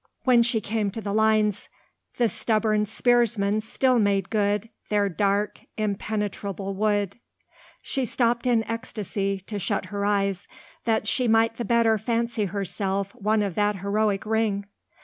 When she came to the lines The stubborn spearsmen still made good Their dark impenetrable wood, she stopped in ecstasy to shut her eyes that she might the better fancy herself one of that heroic ring.